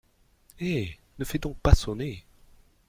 Eh ! ne fais donc pas sonner !